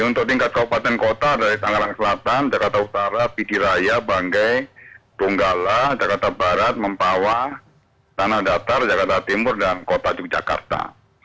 untuk tingkat kabupaten kota ada di tangerang selatan jakarta utara pijiraya banggai bunggala jakarta barat mempawa tanah datar jakarta timur dan kota yogyakarta